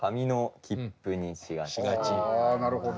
なるほど。